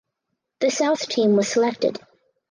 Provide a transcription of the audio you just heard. The South team was selected.